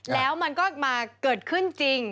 แล้วมันก็มาเกิดขึ้นจริง